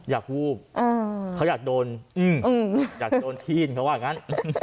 วูบเขาอยากโดนอยากจะโดนที่นเขาว่างั้น